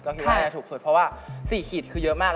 ก็คือน่าจะถูกสุดเพราะว่า๔ขีดคือเยอะมาก